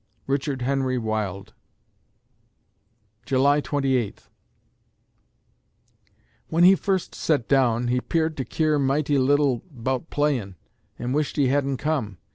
RICHARD HENRY WILDE July Twenty Eighth When he first set down he 'peared to keer mighty little 'bout playin', and wished he hadn't come.